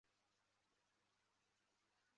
柳词的高雅处则受历来文学评论家赞不绝口。